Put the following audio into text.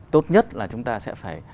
tốt nhất là chúng ta sẽ phải